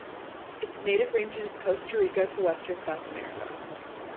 Its native range is Costa Rica to Western South America.